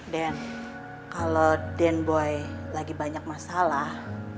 den kalau den boy lagi banyak masalah